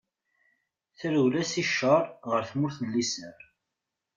Tarewla seg ccer ɣer tmura n liser.